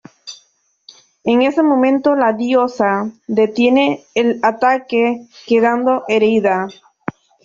En ese momento la diosa detiene el ataque, quedando herida.